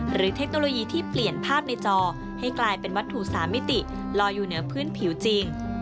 เทคโนโลยีที่เปลี่ยนภาพในจอให้กลายเป็นวัตถุ๓มิติลอยอยู่เหนือพื้นผิวจริง